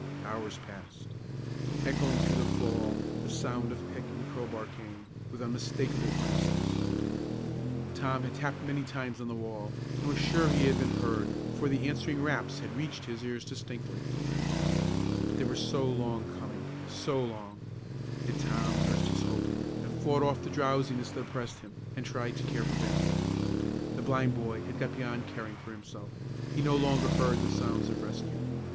Hours passed. Echoing through the fall, the sound of pick and crowbar came, with unmistakable earnestness. Tom had tapped many times on the wall, and was sure he had been heard, for the answering raps had reached his ears distinctly. But they were so long coming; so long! Yet Tom nursed his hope, and fought off the drowsiness that oppressed him, and tried to care for Bennie. The blind boy had got beyond caring for himself. He no longer heard the sounds of rescue.